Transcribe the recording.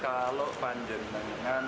kalau panjang menandingan